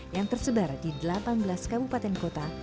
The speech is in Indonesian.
yang tersebar di delapan belas kabupaten kota